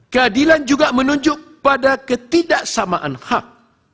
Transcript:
keadilan juga menunjuk pada ketidaksamaan hak